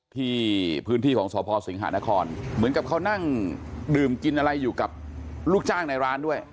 ที่พื้นที่ของสพสิงหานครเหมือนกับเขานั่งดื่มกินอะไรอยู่กับลูกจ้างในร้านด้วย